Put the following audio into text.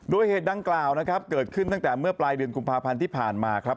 โดยเหตุดังกล่าวนะครับเกิดขึ้นตั้งแต่เมื่อปลายเดือนกุมภาพันธ์ที่ผ่านมาครับ